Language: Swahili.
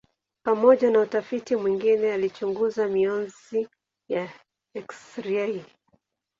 Pamoja na utafiti mwingine alichunguza mionzi ya eksirei.